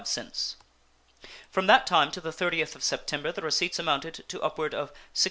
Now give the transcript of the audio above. From that time to the 30th of September the receipts amounted to upward of $16.